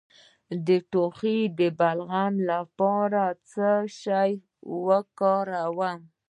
د ټوخي د بلغم لپاره باید څه شی وکاروم؟